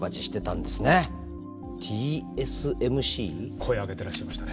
声上げてらっしゃいましたね。